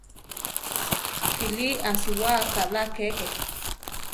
Kilí asiwá kaʼlá keke.